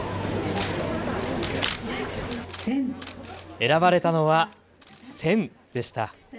選ばれたのは戦でした。